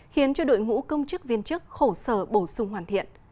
khiến cho đội ngũ công chức viên chức khổ sở bổ sung hoàn thiện